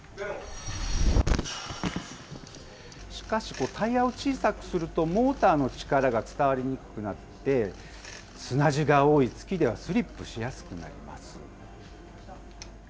しかし、タイヤを小さくするとモーターの力が伝わりにくくなって、砂地が多い月ではスリップしやすくなります。